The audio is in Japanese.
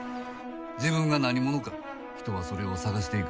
自分が何者か人はそれを探していく。